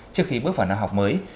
trước khi bước vào năm học mới